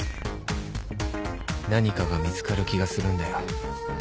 何かが見つかる気がするんだよ